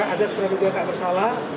azaz pradugat tak bersalah